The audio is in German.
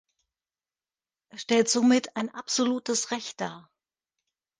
Es stellt somit ein absolutes Recht dar.